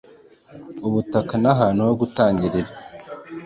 ubutaka ni ahantu ho gutangirira